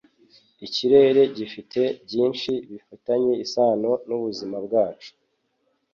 Ikirere gifite byinshi bifitanye isano nubuzima bwacu.